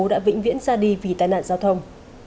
đã vĩnh viễn ra đi vì tai nạn giao thông